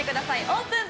オープン！